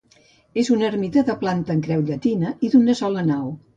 És una ermita de planta en creu llatina i d'una sola nau.